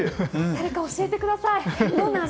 誰か、教えてください。